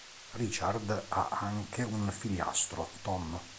Richard ha anche un figliastro, Tom.